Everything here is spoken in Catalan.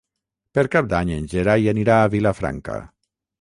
Per Cap d'Any en Gerai anirà a Vilafranca.